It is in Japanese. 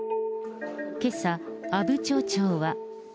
けさ、阿武町長は。